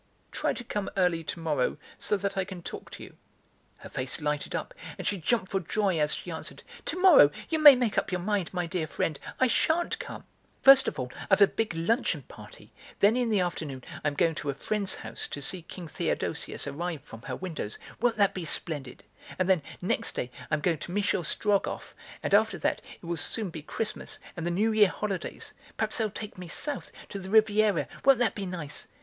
Try to come early to morrow, so that I can talk to you." Her face lighted up and she jumped for joy as she answered: "Tomorrow, you may make up your mind, my dear friend, I sha'n't come! "First of all I've a big luncheon party; then in the afternoon I am going to a friend's house to see King Theodosius arrive from her windows; won't that be splendid? and then, next day, I'm going to Michel Strogoff, and after that it will soon be Christmas, and the New Year holidays! Perhaps they'll take me south, to the Riviera; won't that be nice?